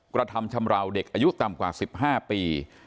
กระทำชำราวเด็กอายุต่ำกว่า๑๕ปี